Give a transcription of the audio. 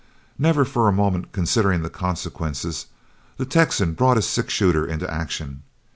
Never for a moment considering consequences, the Texan brought his six shooter into action.